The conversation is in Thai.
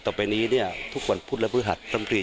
ต่อไปนี้ทุกวันพุทธและภฤษฐรรมฤี